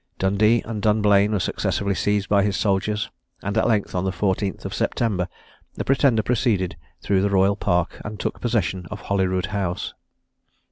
Dundee and Dumblain were successively seized by his soldiers; and at length, on the 14th September, the Pretender proceeded through the Royal Park and took possession of Holyrood House.